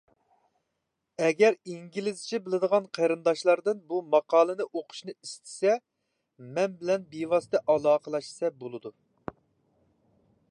ئەگەر ئىنگلىزچە بىلىدىغان قېرىنداشلاردىن بۇ ماقالىنى ئوقۇشنى ئىستىسە، مەن بىلەن بىۋاسىتە ئالاقىلەشسە بولىدۇ.